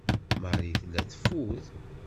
Marie tella teffud.